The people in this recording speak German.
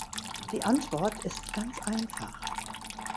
Die Antwort ist ganz einfach.